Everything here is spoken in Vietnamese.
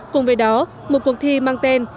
cùng với đó một cuộc thi mang tên